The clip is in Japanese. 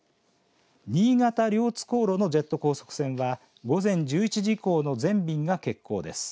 新潟、両津航路のジェット高速船は午前１１時以降の全便が欠航です。